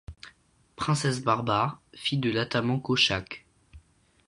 Princesse barbare, fille de l'Attaman kochaque.